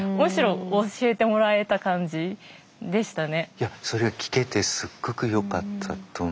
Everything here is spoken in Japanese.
いやそれが聞けてすっごくよかったと思います。